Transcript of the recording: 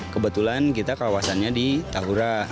kebetulan kita kawasannya di tahura